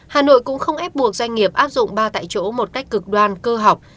hà nội cũng không ép buộc doanh nghiệp áp dụng ba tại chỗ một cách cực đoan cơ học